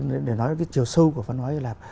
để nói chiều sâu của văn hóa hy lạp